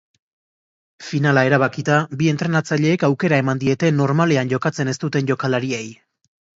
Finala erabakita, bi entrenatzaileek aukera eman diete normalean jokatzen ez duten jokalariei.